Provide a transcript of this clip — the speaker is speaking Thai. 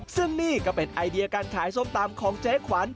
ซึ่งนี่ก็เป็นไอเดียการขายส้มตำของเจ๊ขวัญ